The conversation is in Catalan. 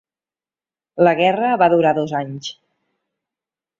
La guerra va durar dos anys.